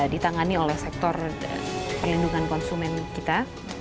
ditangani oleh sektor perlindungan konsumen kita